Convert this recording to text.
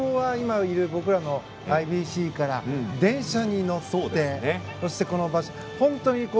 今いる僕らのＩＢＣから電車に乗って、この場所へ。